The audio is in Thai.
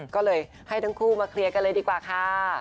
ก็เลยให้ทั้งคู่มาเคลียร์กันเลยดีกว่าค่ะ